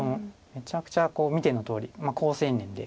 めちゃくちゃ見てのとおり好青年で。